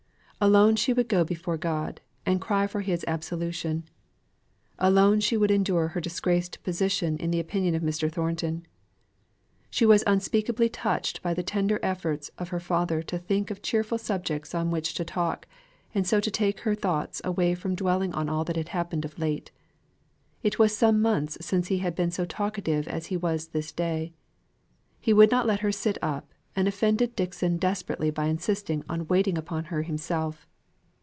Alone she would go before God, and cry for His absolution. Alone she would endure her disgraced position in the opinion of Mr. Thornton. She was unspeakably touched by the tender efforts of her father to think of cheerful subjects on which to talk, and so to take her thoughts away from dwelling on all that had happened of late. It was some months since he had been so talkative as he was this day. He would not let her sit up, and offended Dixon desperately by insisting on waiting upon her himself.